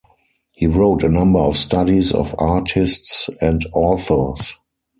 He wrote a number of studies of artists and authors.